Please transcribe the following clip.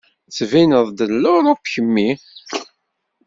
Tettbineḍ-d n Luṛup kemmi.